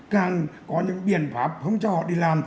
càng có những biện pháp không cho đi làm